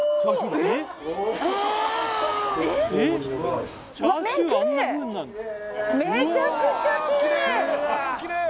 めちゃくちゃきれい！